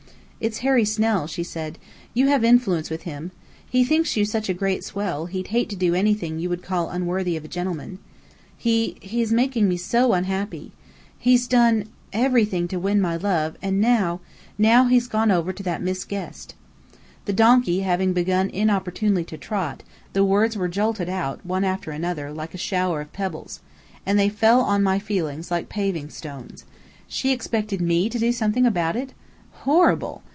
"It's Harry Snell," she said. "You have influence with him. He thinks you such a great swell, he'd hate to do anything you would call unworthy of a gentleman. He he's making me so unhappy. He's done everything to win my love and now now he's gone over to that Miss Guest." The donkey having begun inopportunely to trot, the words were jolted out, one after another, like a shower of pebbles. And they fell on my feelings like paving stones. She expected me to do something about it! Horrible!